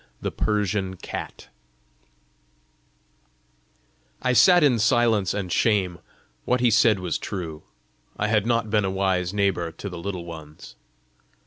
THE PERSIAN CAT I sat in silence and shame. What he said was true: I had not been a wise neighbour to the Little Ones!